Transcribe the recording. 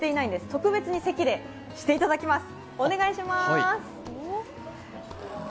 特別に席でしていただきます。